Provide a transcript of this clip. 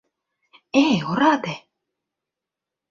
— Эй, ораде!